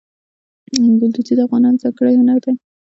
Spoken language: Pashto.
ګلدوزي د افغانانو ځانګړی هنر دی.